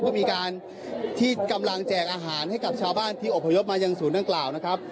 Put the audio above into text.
เพื่อมีการที่กำลังแจกอาหารให้กับชาวบ้านที่อบพยพมายังศูนย์ดังกล่าวนะครับ